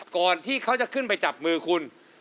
ก่อนที่เขาจะขึ้นไปจับมือคุณ